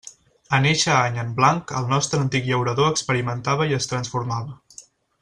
En eixe any en blanc el nostre antic llaurador experimentava i es transformava.